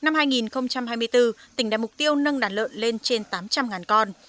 mục tiêu nâng đàn lợn lên trên tám trăm linh con